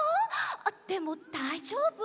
あっでもだいじょうぶ？